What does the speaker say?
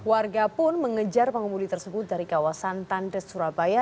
warga pun mengejar pengemudi tersebut dari kawasan tandes surabaya